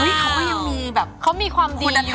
แล้วคุณพูดกับอันนี้ก็ไม่รู้นะผมว่ามันความเป็นส่วนตัวซึ่งกัน